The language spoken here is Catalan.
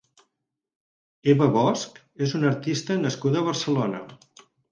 Eva Bosch és una artista nascuda a Barcelona.